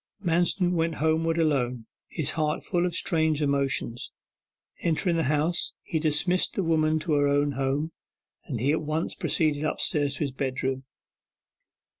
Manston went homeward alone, his heart full of strange emotions. Entering the house, and dismissing the woman to her own home, he at once proceeded upstairs to his bedroom.